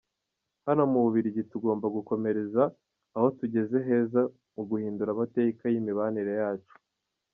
Hano mu Bubirigi tugomba gukomereza aho tugeze heza mu guhindura amateka y’ imibanire yacu.